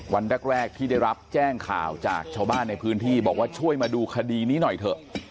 วันแรกที่ได้รับแจ้งข่าวจากชาวบ้านในพื้นที่บอกว่าช่วยมาดูคดีนี้หน่อยเถอะ